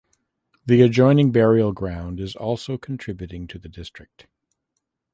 The adjoining burial ground is also contributing to the district.